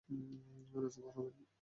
রাস্তা পার হবেন?